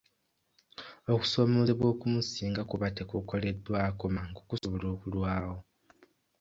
Okusoomoozebwa okumu singa kuba tekukoleddwako mangu kusobola okulwawo.